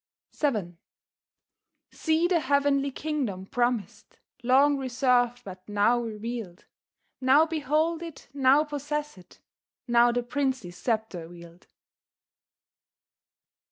VII "See the heavenly kingdom promised, Long reserved, but now revealed; Now behold it, now possess it, Now the princely sceptre wield."